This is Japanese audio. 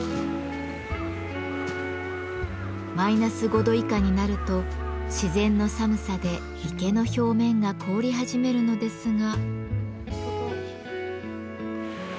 マイナス５度以下になると自然の寒さで池の表面が凍り始めるのですが。